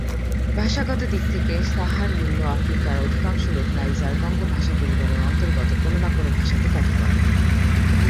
ভাষাগত দিক থেকে সাহার-নিম্ন আফ্রিকার অধিকাংশ লোক নাইজার-কঙ্গো ভাষাপরিবারের অন্তর্গত কোন না কোন ভাষাতে কথা বলে।